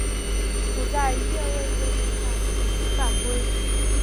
处在越位位置上并不犯规。